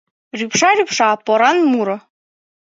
Рÿпша, рÿпша поран муро